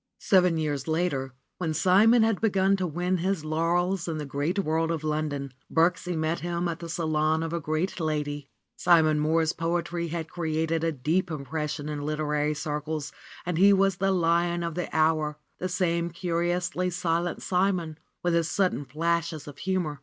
Seven years later, when Simon had begun to win his laurels in the great world of London, Birksie met him at the salon of a great lady. Simon Mohr's poetry had created a deep impression in literary circles and he was the lion of the hour, the same curiously silent Simon, with his sudden flashes of humor.